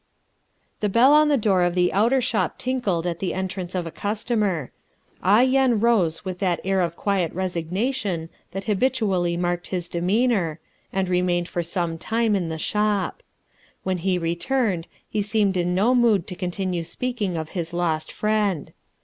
The bell on the door of the outer shop tinkled at the entrance of a customer. Ah Yen rose with that air of quiet resignation that habitually marked his demeanour, and remained for some time in the shop. When he returned he seemed in no mood to continue speaking of his lost friend.